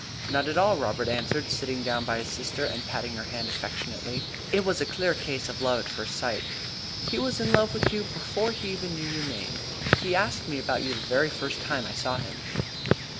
"Not at all," Robert answered, sitting down by his sister, and patting her hand affectionately. "It was a clear case of love at first sight. He was in love with you before he ever knew your name. He asked me about you the very first time I saw him."